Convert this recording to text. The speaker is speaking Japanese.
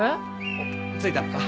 おっ着いたのか。